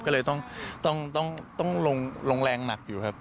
ก็เลยต้องลงแรงหนักอยู่ครับ